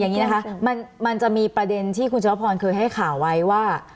อย่างนี้นะคะมันจะมีประเด็นที่คุณชวพรเคยให้ข่าวไว้ว่า